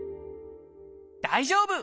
大丈夫！